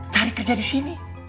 cari kerja disini